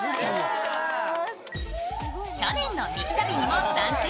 去年のミキ旅にも参戦。